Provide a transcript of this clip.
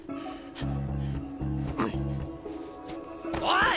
おい！